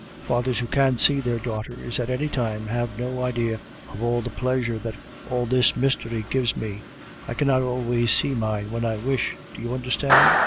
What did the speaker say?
Fathers who can see their daughters at any time have no idea of all the pleasure that all this mystery gives me; I cannot always see mine when I wish, do you understand?